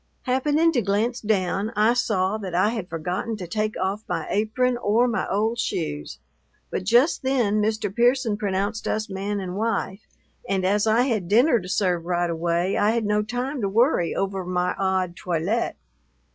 Happening to glance down, I saw that I had forgotten to take off my apron or my old shoes, but just then Mr. Pearson pronounced us man and wife, and as I had dinner to serve right away I had no time to worry over my odd toilet.